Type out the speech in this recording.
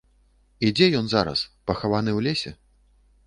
І дзе ён зараз, пахаваны ў лесе?